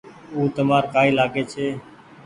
او تمآر ڪآئي لآگي ڇي۔